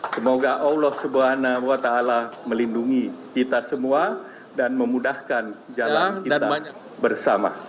semoga allah swt melindungi kita semua dan memudahkan jalan kita bersama